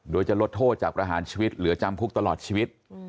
โดยจะลดโทษจากประหารชีวิตเหลือจำคุกตลอดชีวิต